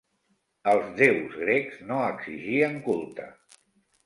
Els déus grecs no exigien culte.